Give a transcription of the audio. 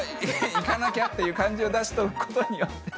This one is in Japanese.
行かなきゃっていう感じを出しておくことによって。